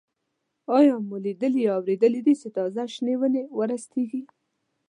آیا مو لیدلي یا اورېدلي دي چې تازه شنې ونې ورستېږي؟